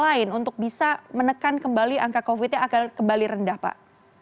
lain untuk bisa menekan kembali angka covid nya agar kembali rendah pak